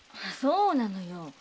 そうなのよ。